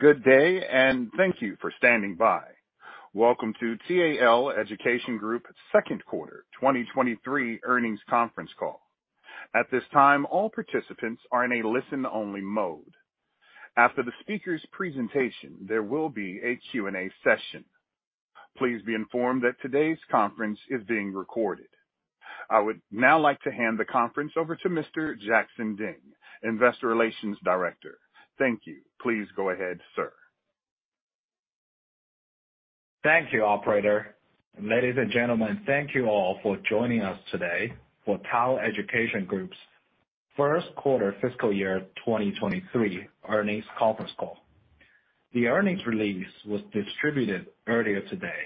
Good day, and thank you for standing by. Welcome to TAL Education Group second quarter 2023 earnings conference call. At this time, all participants are in a listen-only mode. After the speaker's presentation, there will be a Q&A session. Please be informed that today's conference is being recorded. I would now like to hand the conference over to Mr. Jackson Ding, Investor Relations Director. Thank you. Please go ahead, sir. Thank you, operator. Ladies and gentlemen, thank you all for joining us today for TAL Education Group's first quarter fiscal year 2023 earnings conference call. The earnings release was distributed earlier today,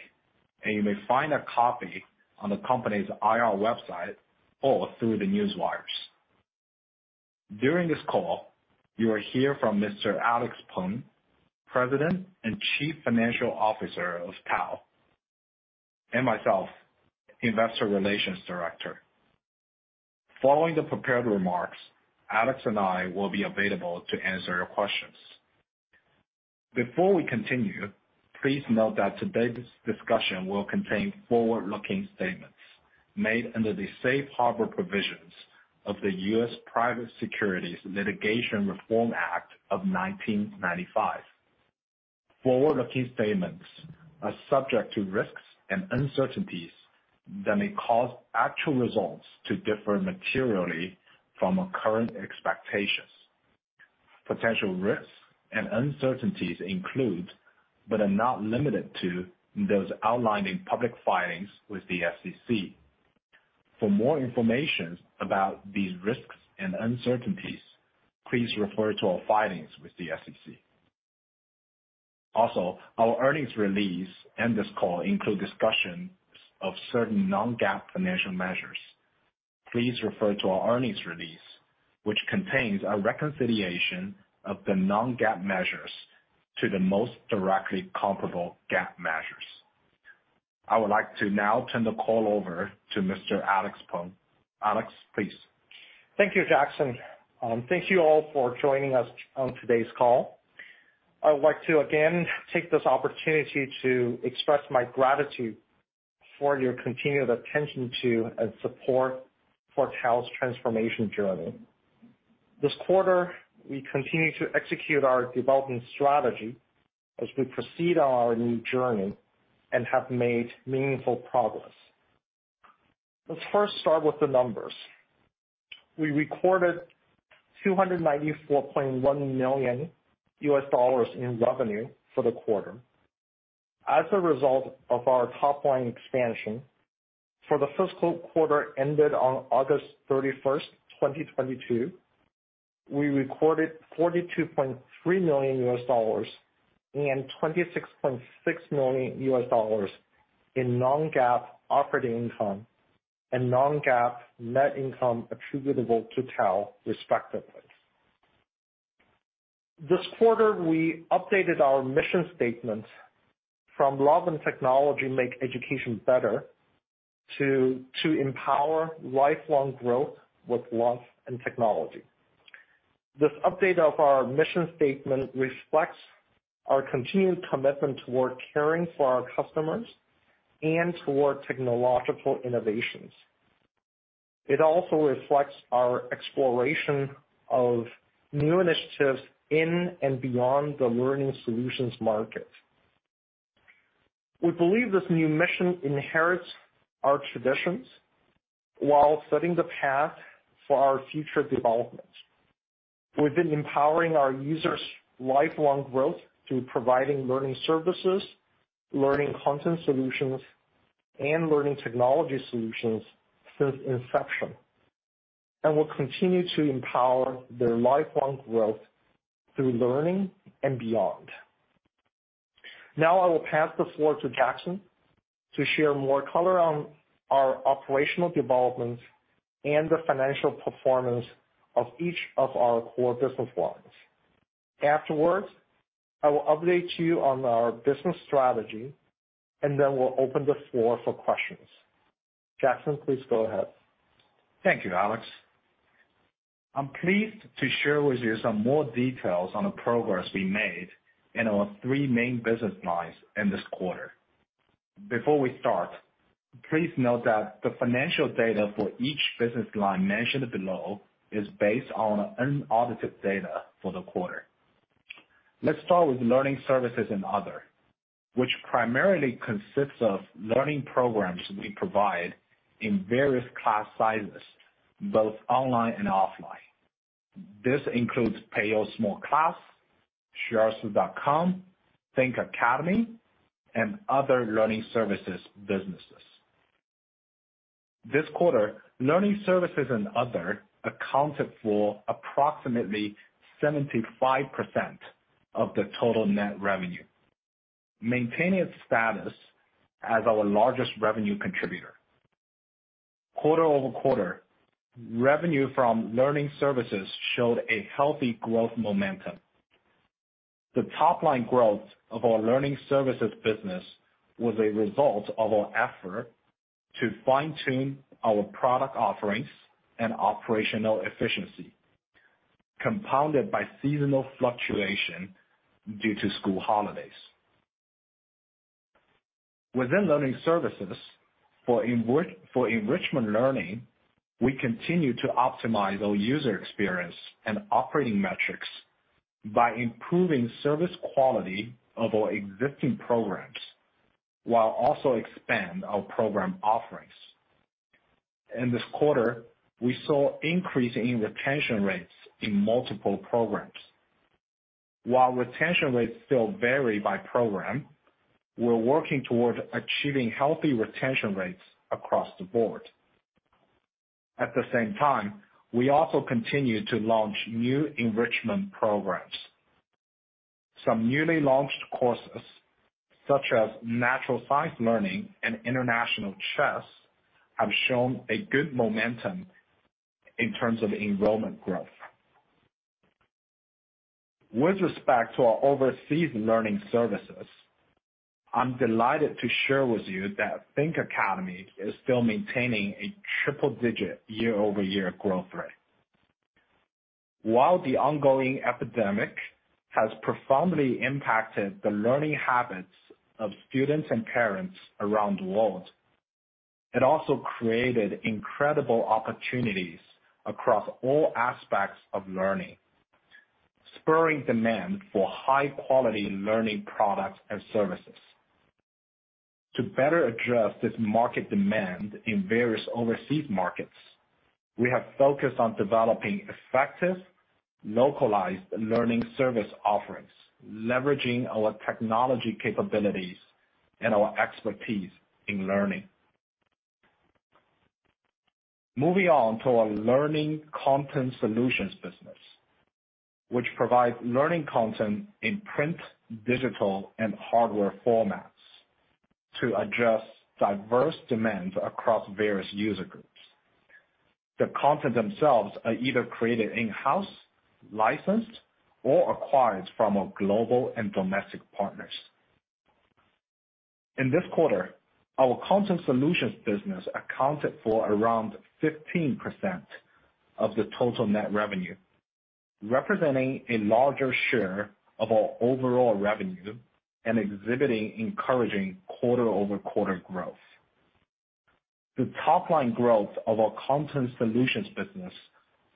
and you may find a copy on the company's IR website or through the newswires. During this call, you will hear from Mr. Alex Peng, President and Chief Financial Officer of TAL, and myself, Investor Relations Director. Following the prepared remarks, Alex and I will be available to answer your questions. Before we continue, please note that today's discussion will contain forward-looking statements made under the safe harbor provisions of the U.S. Private Securities Litigation Reform Act of 1995. Forward-looking statements are subject to risks and uncertainties that may cause actual results to differ materially from our current expectations. Potential risks and uncertainties include, but are not limited to, those outlined in public filings with the SEC. For more information about these risks and uncertainties, please refer to our filings with the SEC. Also, our earnings release and this call include discussions of certain non-GAAP financial measures. Please refer to our earnings release, which contains a reconciliation of the non-GAAP measures to the most directly comparable GAAP measures. I would like to now turn the call over to Mr. Alex Peng. Alex, please. Thank you, Jackson. Thank you all for joining us on today's call. I would like to again take this opportunity to express my gratitude for your continued attention to and support for TAL's transformation journey. This quarter, we continue to execute our development strategy as we proceed on our new journey and have made meaningful progress. Let's first start with the numbers. We recorded $294.1 million in revenue for the quarter. As a result of our top line expansion for the fiscal quarter ended on August 31, 2022, we recorded $42.3 million and $26.6 million in non-GAAP operating income, and non-GAAP net income attributable to TAL, respectively. This quarter, we updated our mission statement from love and technology make education better to empower lifelong growth with love and technology. This update of our mission statement reflects our continued commitment toward caring for our customers and toward technological innovations. It also reflects our exploration of new initiatives in and beyond the learning solutions market. We believe this new mission inherits our traditions while setting the path for our future development. We've been empowering our users' lifelong growth through providing learning services, learning content solutions, and learning technology solutions since inception, and will continue to empower their lifelong growth through learning and beyond. Now I will pass the floor to Jackson to share more color on our operational developments and the financial performance of each of our core business lines. Afterwards, I will update you on our business strategy, and then we'll open the floor for questions. Jackson, please go ahead. Thank you, Alex. I'm pleased to share with you some more details on the progress we made in our three main business lines in this quarter. Before we start, please note that the financial data for each business line mentioned below is based on unaudited data for the quarter. Let's start with learning services and other, which primarily consists of learning programs we provide in various class sizes, both online and offline. This includes Peiyou Small Class, Xueersi.com, Think Academy, and other learning services businesses. This quarter, learning services and other accounted for approximately 75% of the total net revenue, maintaining its status as our largest revenue contributor. Quarter-over-quarter, revenue from learning services showed a healthy growth momentum. The top-line growth of our learning services business was a result of our effort to fine-tune our product offerings and operational efficiency, compounded by seasonal fluctuation due to school holidays. Within learning services, for enrichment learning, we continue to optimize our user experience and operating metrics by improving service quality of our existing programs, while also expand our program offerings. In this quarter, we saw increase in retention rates in multiple programs. While retention rates still vary by program, we're working toward achieving healthy retention rates across the board. At the same time, we also continue to launch new enrichment programs. Some newly launched courses such as natural science learning and international chess have shown a good momentum in terms of enrollment growth. With respect to our overseas learning services, I'm delighted to share with you that Think Academy is still maintaining a triple digit year-over-year growth rate. While the ongoing epidemic has profoundly impacted the learning habits of students and parents around the world, it also created incredible opportunities across all aspects of learning, spurring demand for high quality learning products and services. To better address this market demand in various overseas markets, we have focused on developing effective, localized learning service offerings, leveraging our technology capabilities and our expertise in learning. Moving on to our learning content solutions business, which provides learning content in print, digital, and hardware formats to address diverse demands across various user groups. The content themselves are either created in-house, licensed, or acquired from our global and domestic partners. In this quarter, our content solutions business accounted for around 15% of the total net revenue, representing a larger share of our overall revenue and exhibiting encouraging quarter-over-quarter growth. The top line growth of our content solutions business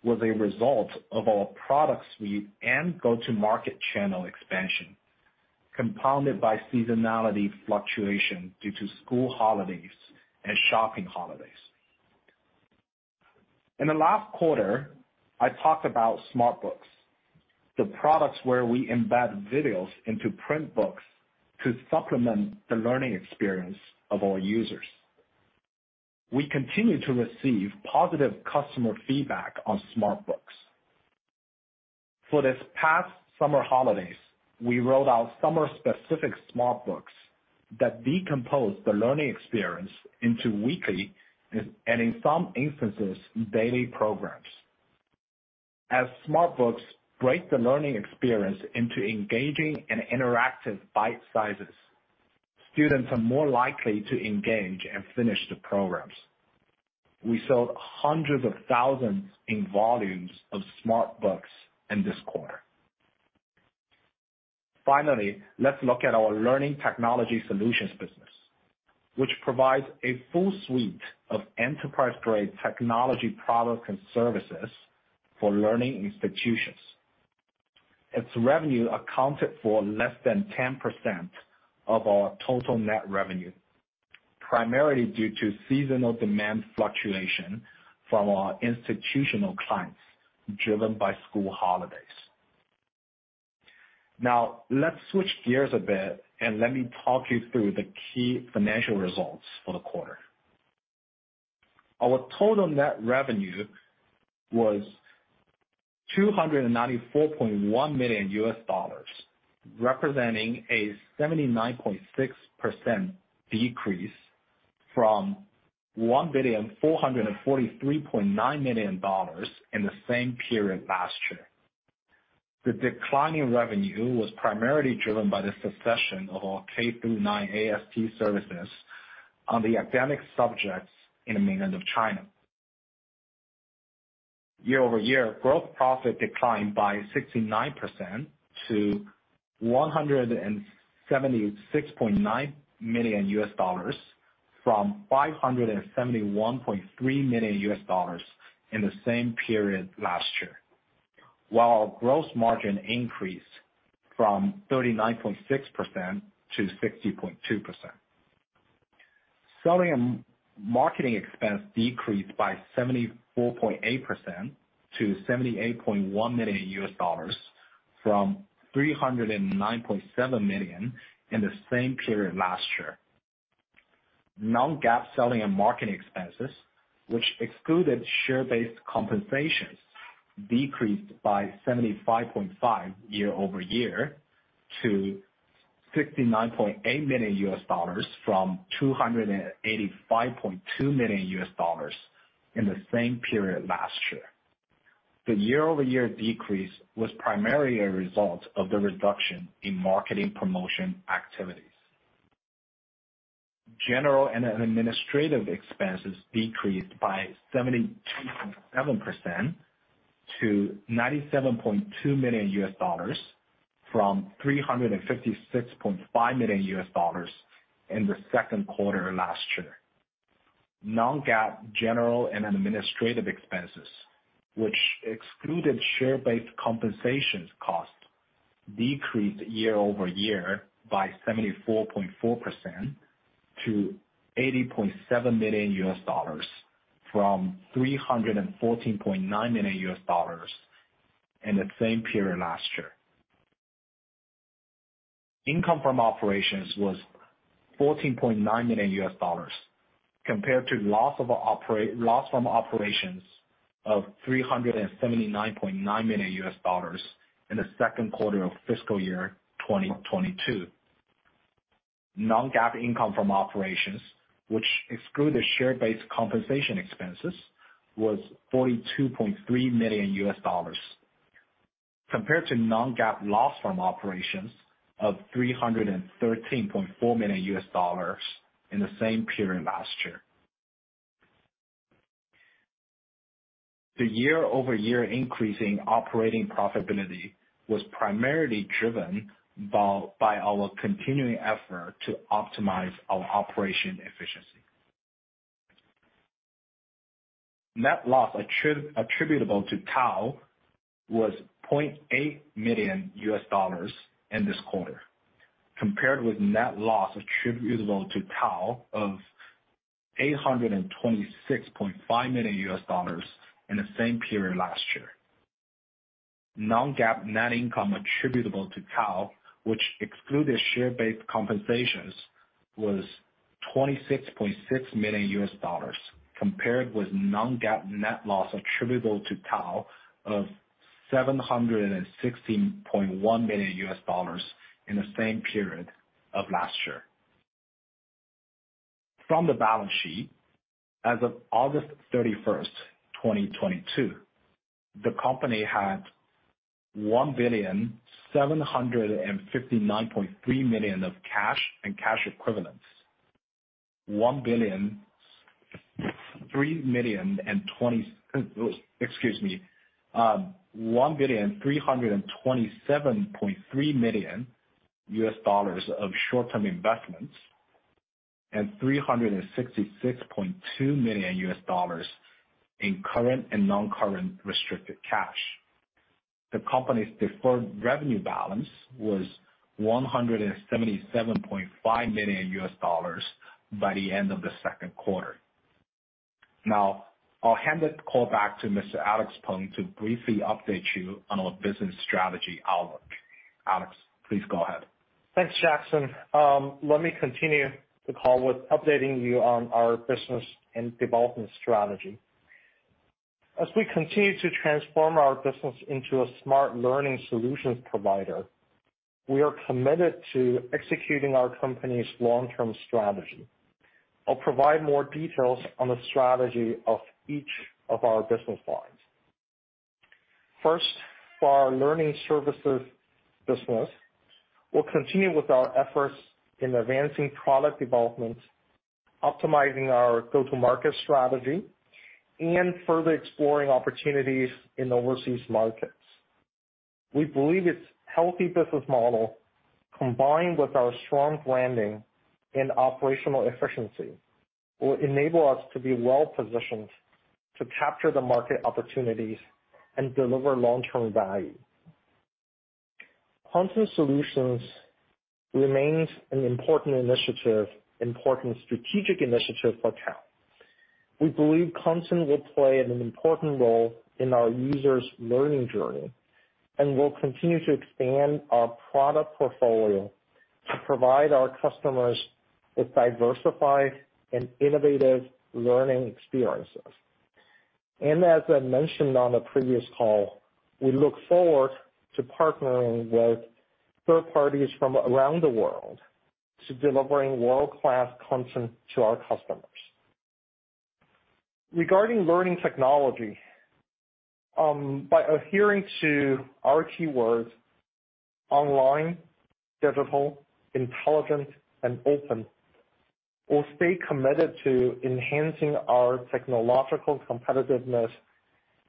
was a result of our product suite and go-to-market channel expansion, compounded by seasonality fluctuation due to school holidays and shopping holidays. In the last quarter, I talked about Smart Books, the products where we embed videos into print books to supplement the learning experience of our users. We continue to receive positive customer feedback on Smart Books. For this past summer holidays, we rolled out summer specific Smart Books that decompose the learning experience into weekly, and in some instances, daily programs. As Smart Books break the learning experience into engaging and interactive bite sizes, students are more likely to engage and finish the programs. We sold hundreds of thousands in volumes of Smart Books in this quarter. Finally, let's look at our learning technology solutions business, which provides a full suite of enterprise-grade technology products and services for learning institutions. Its revenue accounted for less than 10% of our total net revenue, primarily due to seasonal demand fluctuation from our institutional clients driven by school holidays. Now, let's switch gears a bit and let me talk you through the key financial results for the quarter. Our total net revenue was $294.1 million, representing a 79.6% decrease from $1,443.9 million in the same period last year. The decline in revenue was primarily driven by the suspension of our K-9 AST services on the academic subjects in the mainland of China. Year-over-year, gross profit declined by 69% to $176.9 million from $571.3 million in the same period last year. While our gross margin increased from 39.6% to 60.2%. Selling and marketing expense decreased by 74.8% to $78.1 million from $309.7 million in the same period last year. Non-GAAP selling and marketing expenses, which excluded share-based compensations, decreased by 75.5% year-over-year to $69.8 million from $285.2 million in the same period last year. The year-over-year decrease was primarily a result of the reduction in marketing promotion activities. General and administrative expenses decreased by 72.7% to $97.2 million from $356.5 million in the second quarter last year. Non-GAAP general and administrative expenses, which excluded share-based compensation cost, decreased year-over-year by 74.4% to $80.7 million from $314.9 million in the same period last year. Income from operations was $14.9 million compared to loss from operations of $379.9 million in the second quarter of fiscal year 2022. Non-GAAP income from operations, which exclude the share-based compensation expenses, was $42.3 million compared to non-GAAP loss from operations of $313.4 million in the same period last year. The year-over-year increase in operating profitability was primarily driven by our continuing effort to optimize our operational efficiency. Net loss attributable to TAL was $0.8 million in this quarter, compared with net loss attributable to TAL of $826.5 million in the same period last year. Non-GAAP net income attributable to TAL, which excluded share-based compensations, was $26.6 million, compared with non-GAAP net loss attributable to TAL of $716.1 million in the same period of last year. From the balance sheet, as of August 31, 2022, the company had $1,759.3 million of cash and cash equivalents, $1,003 million and 20. Excuse me. $1,327.3 million of short-term investments, and $366.2 million in current and non-current restricted cash. The company's deferred revenue balance was $177.5 million by the end of the second quarter. Now, I'll hand the call back to Mr. Alex Peng to briefly update you on our business strategy outlook. Alex, please go ahead. Thanks, Jackson. Let me continue the call with updating you on our business and development strategy. As we continue to transform our business into a smart learning solutions provider, we are committed to executing our company's long-term strategy. I'll provide more details on the strategy of each of our business lines. First, for our learning services business, we'll continue with our efforts in advancing product development, optimizing our go-to-market strategy, and further exploring opportunities in overseas markets. We believe its healthy business model, combined with our strong branding and operational efficiency, will enable us to be well-positioned to capture the market opportunities and deliver long-term value. Content solutions remains an important initiative, important strategic initiative for TAL. We believe content will play an important role in our users' learning journey, and we'll continue to expand our product portfolio to provide our customers with diversified and innovative learning experiences. As I mentioned on a previous call, we look forward to partnering with third parties from around the world to delivering world-class content to our customers. Regarding learning technology, by adhering to our keywords online, digital, intelligent, and open, we'll stay committed to enhancing our technological competitiveness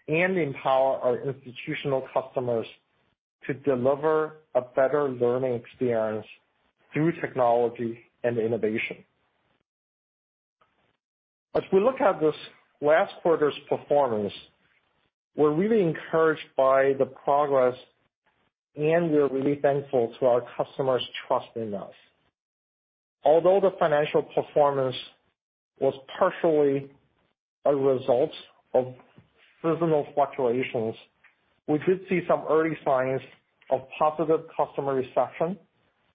and empower our institutional customers to deliver a better learning experience through technology and innovation. As we look at this last quarter's performance, we're really encouraged by the progress, and we're really thankful to our customers trusting us. Although the financial performance was partially a result of seasonal fluctuations, we did see some early signs of positive customer reception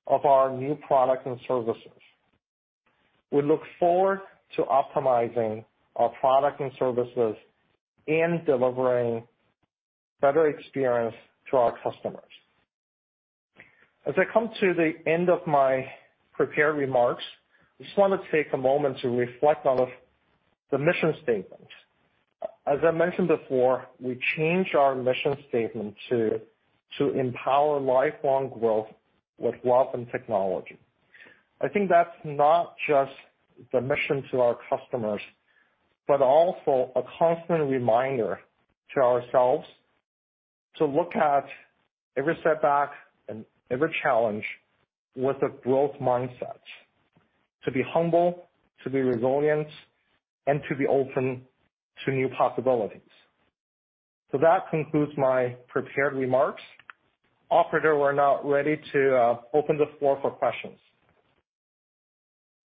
of our new products and services. We look forward to optimizing our products and services and delivering better experience to our customers. As I come to the end of my prepared remarks, I just wanna take a moment to reflect on the mission statement. As I mentioned before, we changed our mission statement to empower lifelong growth with love and technology. I think that's not just the mission to our customers, but also a constant reminder to ourselves to look at every setback and every challenge with a growth mindset. To be humble, to be resilient, and to be open to new possibilities. That concludes my prepared remarks. Operator, we're now ready to open the floor for questions.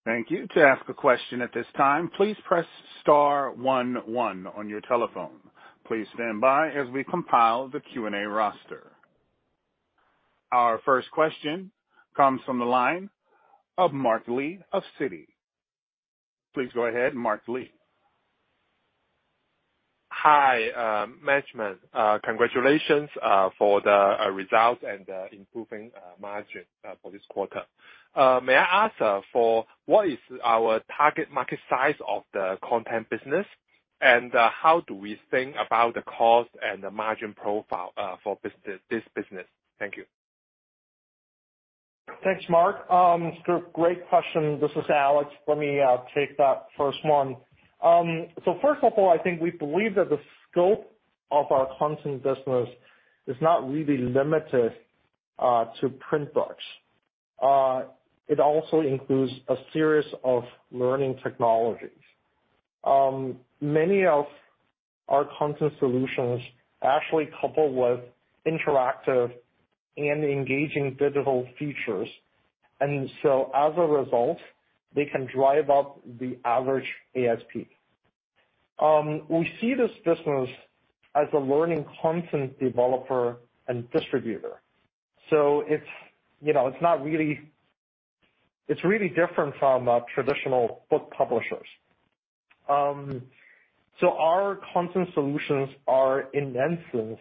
Thank you. To ask a question at this time, please press star one one on your telephone. Please stand by as we compile the Q&A roster. Our first question comes from the line of Mark Li of Citi. Please go ahead, Mark Li. Hi, management. Congratulations for the results and the improving margin for this quarter. May I ask what is our target market size of the content business? How do we think about the cost and the margin profile for this business? Thank you. Thanks, Mark. It's a great question. This is Alex. Let me take that first one. First of all, I think we believe that the scope of our content business is not really limited to print books. It also includes a series of learning technologies. Many of our content solutions actually couple with interactive and engaging digital features. As a result, they can drive up the average ASP. We see this business as a learning content developer and distributor. It's, you know, it's not really. It's really different from traditional book publishers. Our content solutions are in essence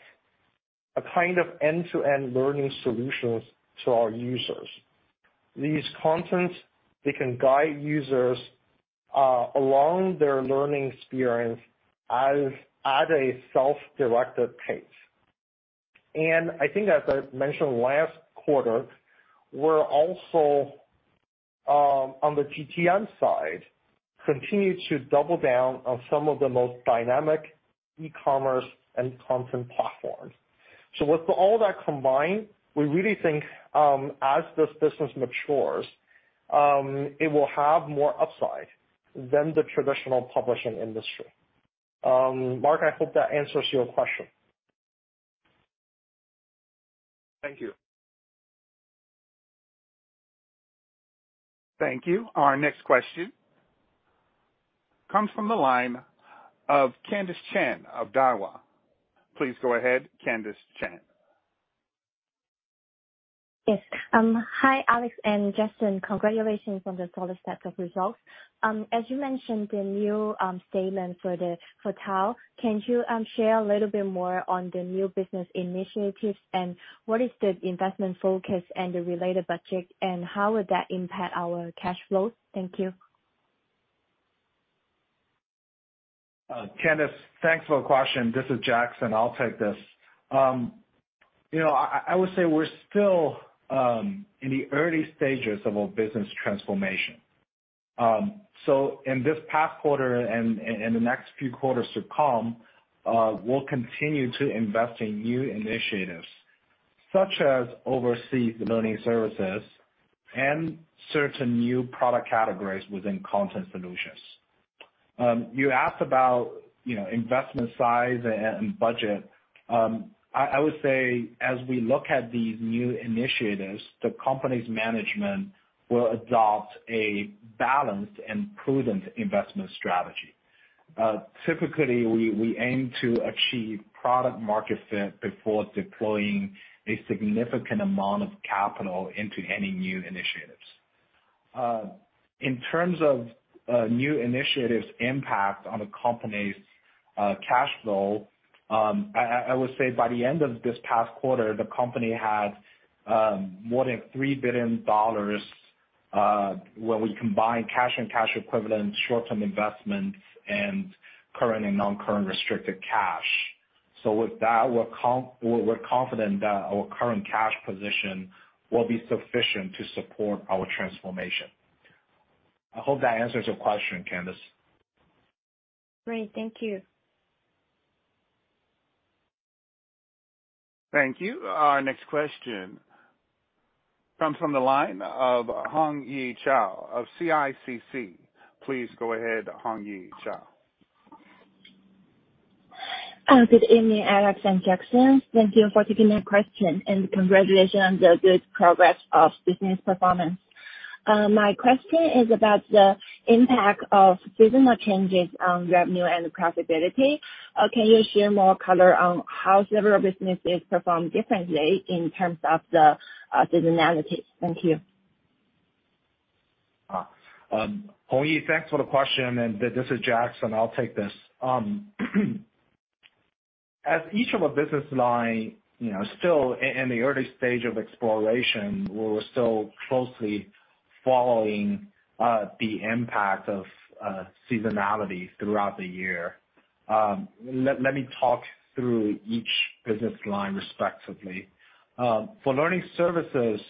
a kind of end-to-end learning solutions to our users. These contents, they can guide users along their learning experience at a self-directed pace. I think as I mentioned last quarter, we're also on the GTM side, continue to double down on some of the most dynamic e-commerce and content platforms. With all that combined, we really think as this business matures, it will have more upside than the traditional publishing industry. Mark, I hope that answers your question. Thank you. Thank you. Our next question comes from the line of Candice Chan of Daiwa. Please go ahead, Candice Chan. Yes. Hi, Alex and Jackson. Congratulations on the solid set of results. As you mentioned, the new statement for the hotel, can you share a little bit more on the new business initiatives? What is the investment focus and the related budget, and how would that impact our cash flows? Thank you. Candice, thanks for the question. This is Jackson. I'll take this. You know, I would say we're still in the early stages of our business transformation. In this past quarter and the next few quarters to come, we'll continue to invest in new initiatives, such as overseas learning services and certain new product categories within content solutions. You asked about, you know, investment size and budget. I would say as we look at these new initiatives, the company's management will adopt a balanced and prudent investment strategy. Typically, we aim to achieve product market fit before deploying a significant amount of capital into any new initiatives. In terms of new initiatives' impact on the company's cash flow, I would say by the end of this past quarter, the company had more than $3 billion when we combine cash and cash equivalents, short-term investments, and current and non-current restricted cash. With that, we're confident that our current cash position will be sufficient to support our transformation. I hope that answers your question, Candice. Great. Thank you. Thank you. Our next question comes from the line of Hongyi Zhao of CICC. Please go ahead, Hongyi Zhao. Good evening, Alex and Jackson. Thank you for taking my question, and congratulations on the good progress of business performance. My question is about the impact of seasonal changes on revenue and profitability. Can you share more color on how several businesses perform differently in terms of the seasonality? Thank you. Hongyi, thanks for the question. This is Jackson. I'll take this. As each of our business line, you know, still in the early stage of exploration, we're still closely following the impact of seasonality throughout the year. Let me talk through each business line respectively. For learning services,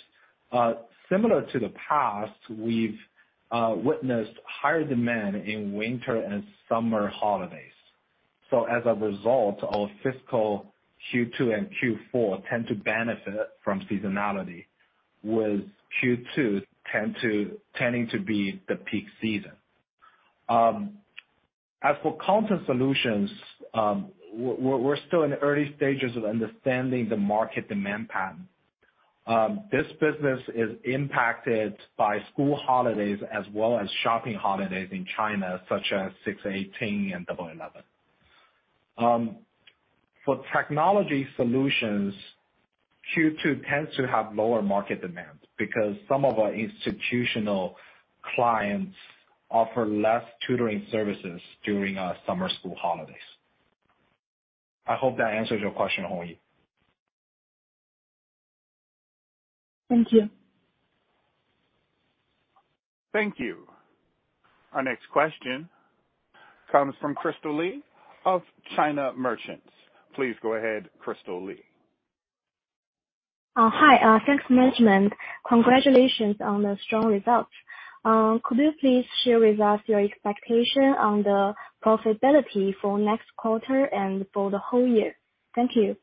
similar to the past, we've witnessed higher demand in winter and summer holidays. As a result, our fiscal Q2 and Q4 tend to benefit from seasonality, with Q2 tending to be the peak season. As for content solutions, we're still in the early stages of understanding the market demand pattern. This business is impacted by school holidays as well as shopping holidays in China, such as 618 and Double 11. For technology solutions, Q2 tends to have lower market demands because some of our institutional clients offer less tutoring services during summer school holidays. I hope that answers your question, Hongyi. Thank you. Thank you. Our next question comes from Crystal Li of China Merchants. Please go ahead, Crystal Li. Hi. Thanks, management. Congratulations on the strong results. Could you please share with us your expectation on the profitability for next quarter and for the whole year? Thank you.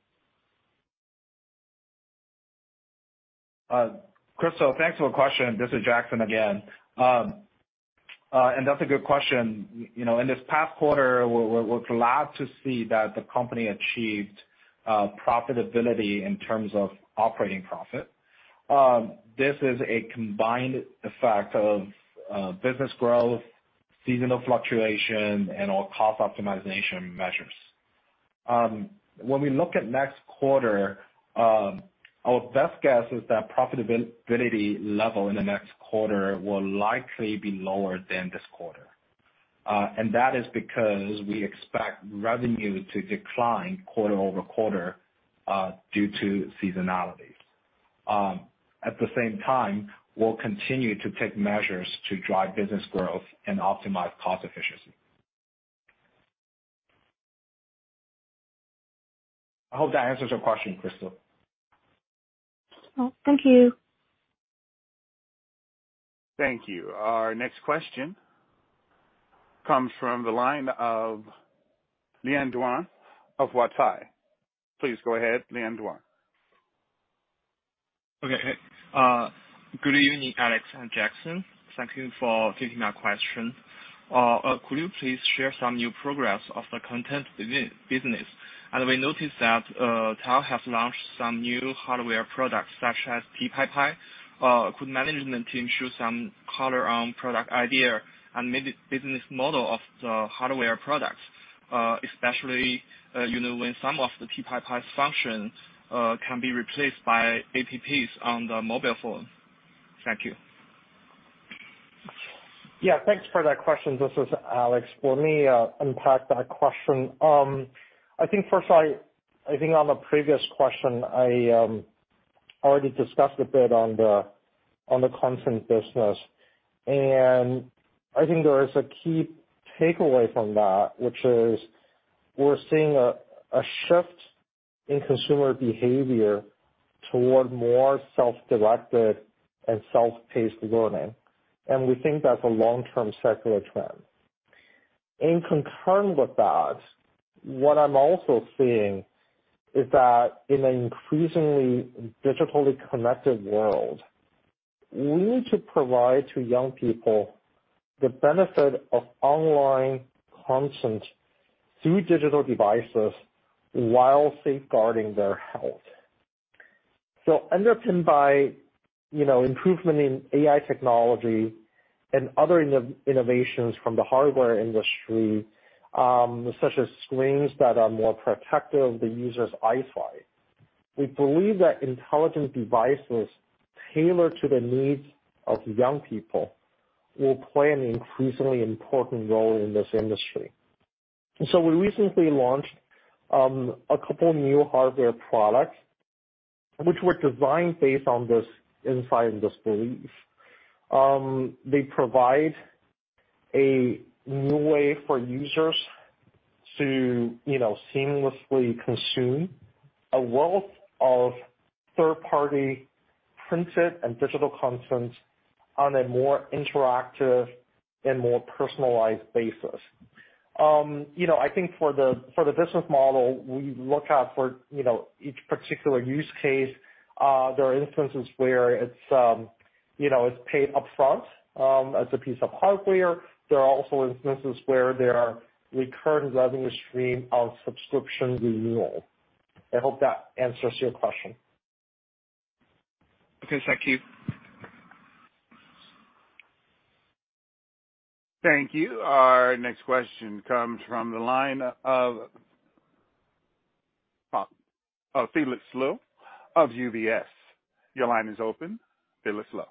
Crystal, thanks for the question. This is Jackson again. That's a good question. You know, in this past quarter, we're glad to see that the company achieved profitability in terms of operating profit. This is a combined effect of business growth, seasonal fluctuation, and our cost optimization measures. When we look at next quarter, our best guess is that profitability level in the next quarter will likely be lower than this quarter. That is because we expect revenue to decline quarter-over-quarter due to seasonality. At the same time, we'll continue to take measures to drive business growth and optimize cost efficiency. I hope that answers your question, Crystal. Thank you. Thank you. Our next question comes from the line of Lian Duan of Huatai. Please go ahead, Lian Duan. Okay. Good evening, Alex and Jackson. Thank you for taking my question. Could you please share some new progress of the content business? We noticed that TAL has launched some new hardware products such as XBook. Could management team show some color on product idea and maybe business model of the hardware products, especially, you know, when some of the XBook functions can be replaced by apps on the mobile phone? Thank you. Yeah, thanks for that question. This is Alex Peng. Let me unpack that question. I think first on the previous question I already discussed a bit on the content business. I think there is a key takeaway from that, which is we're seeing a shift in consumer behavior toward more self-directed and self-paced learning, and we think that's a long-term secular trend. Concurrent with that, what I'm also seeing is that in an increasingly digitally connected world, we need to provide to young people the benefit of online content through digital devices while safeguarding their health. Underpinned by improvement in AI technology and other innovations from the hardware industry, such as screens that are more protective of the user's eyesight. We believe that intelligent devices tailored to the needs of young people will play an increasingly important role in this industry. We recently launched a couple new hardware products which were designed based on this insight and this belief. They provide a new way for users to, you know, seamlessly consume a wealth of third-party printed and digital content on a more interactive and more personalized basis. You know, I think for the business model we look at for, you know, each particular use case, there are instances where it's, you know, it's paid upfront as a piece of hardware. There are also instances where there are recurring revenue stream of subscription renewal. I hope that answers your question. Okay. Thank you. Thank you. Our next question comes from the line of Felix Liu of UBS, your line is open. Felix Liu.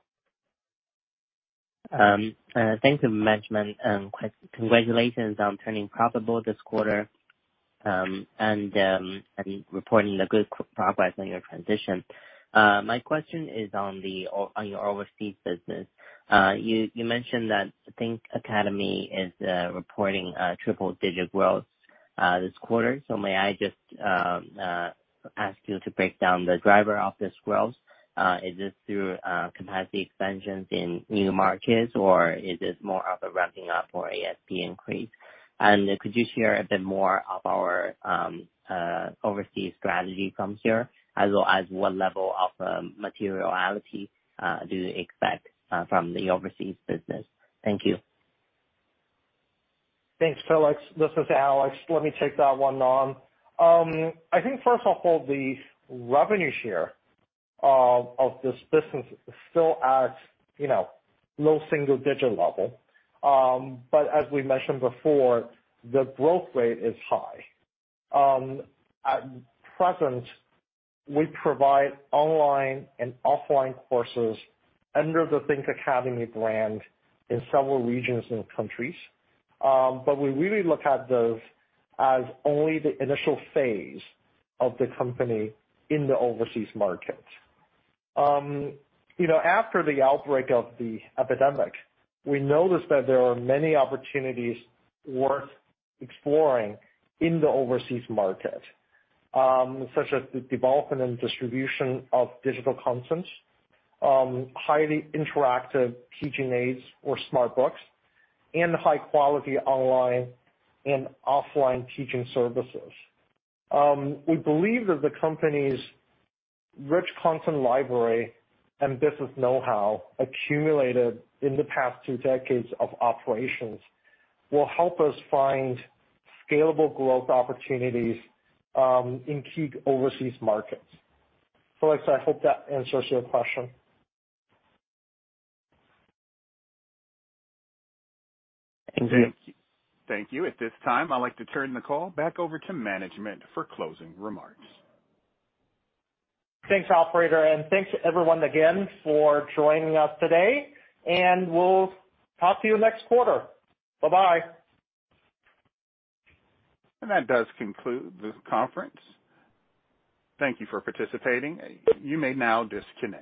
Thank you, management, and congratulations on turning profitable this quarter and reporting the good progress on your transition. My question is on your overseas business. You mentioned that Think Academy is reporting triple-digit growth this quarter. May I just ask you to break down the driver of this growth? Is this through capacity expansions in new markets, or is this more of a ramping up or ASP increase? Could you share a bit more of our overseas strategy from here, as well as what level of materiality do you expect from the overseas business? Thank you. Thanks, Felix. This is Alex. Let me take that one on. I think first of all, the revenue share of this business is still at, you know, low single digit level. As we mentioned before, the growth rate is high. At present, we provide online and offline courses under the Think Academy brand in several regions and countries. We really look at those as only the initial phase of the company in the overseas market. You know, after the outbreak of the epidemic, we noticed that there are many opportunities worth exploring in the overseas market, such as the development and distribution of digital content, highly interactive teaching aids or Smart Books, and high quality online and offline teaching services. We believe that the company's rich content library and business know-how accumulated in the past two decades of operations will help us find scalable growth opportunities in key overseas markets. Felix, I hope that answers your question. Thank you. Thank you. At this time, I'd like to turn the call back over to management for closing remarks. Thanks, operator, and thanks everyone again for joining us today, and we'll talk to you next quarter. Bye-bye. That does conclude this conference. Thank you for participating. You may now disconnect.